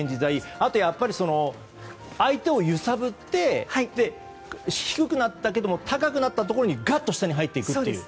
あと、相手を揺さぶって低くなったけれども高くなったところにがっと下に入っていく。